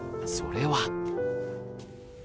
それは。